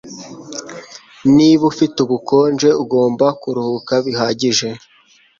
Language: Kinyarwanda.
Niba ufite ubukonje, ugomba kuruhuka bihagije